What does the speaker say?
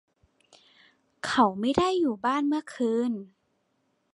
เขาไม่ได้อยู่บ้านเมื่อคืน